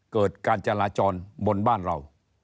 การจราจรบนบ้านเรา